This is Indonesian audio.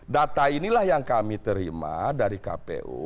data inilah yang kami terima dari kpu